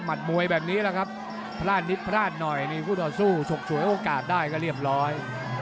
มวยแบบนี้แหละครับพลาดนิดพลาดหน่อยนี่คู่ต่อสู้ฉกฉวยโอกาสได้ก็เรียบร้อย